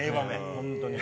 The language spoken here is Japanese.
本当に。